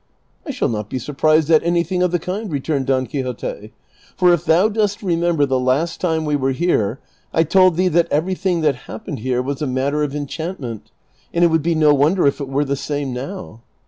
*' I shall not be surprised at anything of the kind," returned Don Quixote ;'■' for if thou dost remember the last time Ave were here I told thee that everything that happened here Avas a matter of enchantment, and it Avould be no Avonder if it were the same noAv."